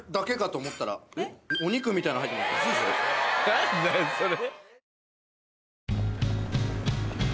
何だよそれ。